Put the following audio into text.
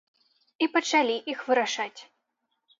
І пачалі іх вырашаць.